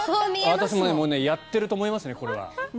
私もやってると思いますね